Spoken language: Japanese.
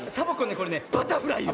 これねバタフライよ。